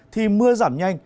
thì mưa giảm nhanh